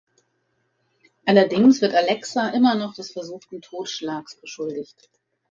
Allerdings wird Alexa immer noch des versuchten Totschlags beschuldigt.